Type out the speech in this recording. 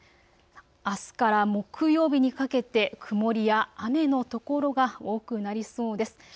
あすから木曜日にかけて曇りや雨の所が多くなりそうです。